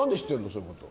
そういうこと。